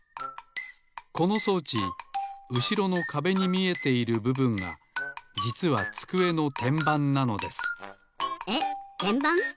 この装置うしろのかべに見えているぶぶんがじつはつくえのてんばんなのですえってんばん？